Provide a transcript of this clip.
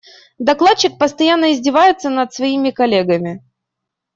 Докладчик постоянно издевается над своими коллегами.